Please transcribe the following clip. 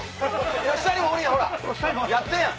下にもおるやんほらやったやん！